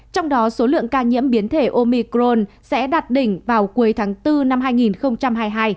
trong đó số lượng ca nhiễm biến thể omicron sẽ đạt đỉnh vào cuối tháng bốn năm hai nghìn hai mươi hai